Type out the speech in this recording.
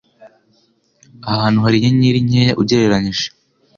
ahantu hari inyenyeri nkeya ugereranyije.